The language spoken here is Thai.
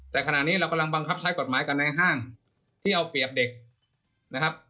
แต่ขณะนี้เรากำลังบังคับใช้กฎหมายกันในห้างที่เอาเปรียบเด็กนะครับ